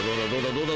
どうだ？］